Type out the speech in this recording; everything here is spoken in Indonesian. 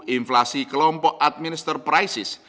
inflasi kelompok administer crisis